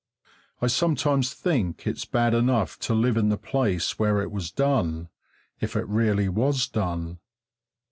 I sometimes think it's bad enough to live in the place where it was done, if it really was done.